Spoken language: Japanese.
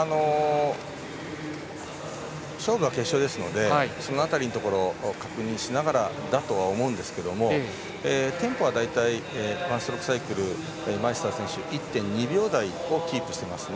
勝負は決勝ですのでその辺りのところを確認しながらだとは思うんですがテンポは大体ワンストロークサイクルマイスター選手１．２秒台をキープしていますね。